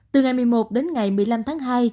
từ ngày một mươi một đến ngày một mươi năm tháng hai